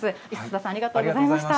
曽田さん、ありがとうございました。